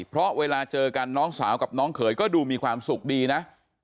เพราะเวลาเจอกันน้องสาวกับน้องเขยก็ดูมีความสุขดีนะ